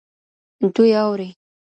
دوی اوري